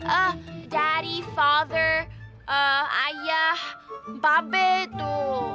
eh dari father ayah pape itu